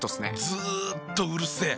ずっとうるせえ。